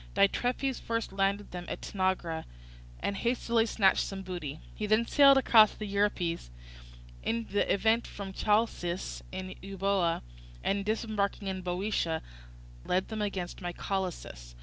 Diitrephes first landed them at Tanagra and hastily snatched some booty; he then sailed across the Euripus in the evening from Chalcis in Euboea and disembarking in Boeotia led them against Mycalessus.